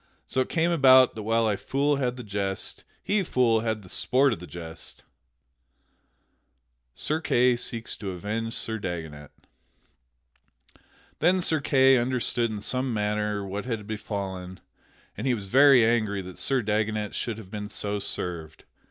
So it came about that while I fool had the jest, he fool had the sport of the jest." [Sidenote: Sir Kay seeks to avenge Sir Dagonet] Then Sir Kay understood in some manner what had befallen, and he was very angry that Sir Dagonet should have been so served.